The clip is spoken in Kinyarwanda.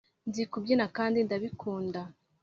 nzi kubyina kandi ndabikunda.